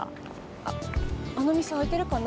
あっあのみせあいてるかな。